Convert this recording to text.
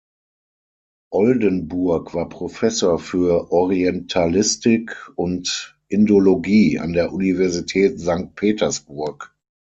Oldenburg war Professor für Orientalistik und Indologie an der Universität Sankt Petersburg.